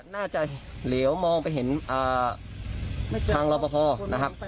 เหลวมองไปเห็นทางรอปภนะครับ